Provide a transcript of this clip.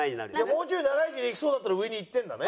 もうちょい長生きできそうだったら上にいってんだね。